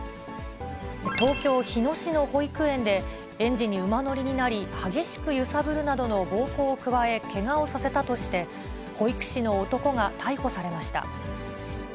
東京・日野市の保育園で、園児に馬乗りになり、激しく揺さぶるなどの暴行を加え、けがをさせたとして、保育士の男が逮捕されました。